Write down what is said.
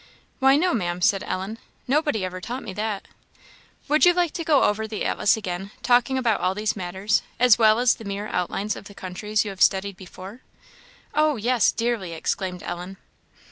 "Why, no, Maam," said Ellen; "nobody ever taught me that." "Would you like to go over the atlas again, talking about all these matters, as well as the mere outlines of the countries you have studied before?" "Oh, yes, dearly!" exclaimed Ellen.